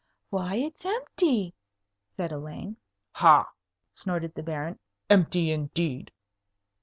"Why, it's empty!" said Elaine. "Ha!" snorted the Baron; "empty indeed."